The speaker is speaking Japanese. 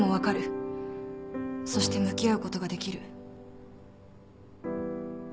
そして向き合うことができる。